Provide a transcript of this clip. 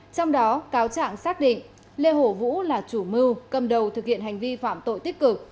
trong đó cáo trạng xác định lê hổ vũ là chủ mưu cầm đầu thực hiện hành vi phạm tội tích cực